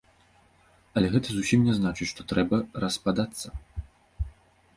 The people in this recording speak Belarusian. Але гэта зусім не значыць, што трэба распадацца.